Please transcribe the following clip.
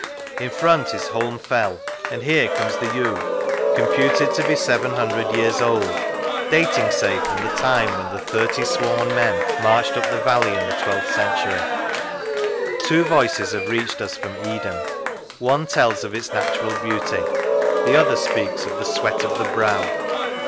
In front is Holme Fell ... and here comes the yew, computed to be seven hundred years old, dating, say, from the time when the thirty sworn men marched up the valley in the twelfth century." Two voices have reached us from Eden: one tells of its natural beauty, the other speaks of the sweat of the brow.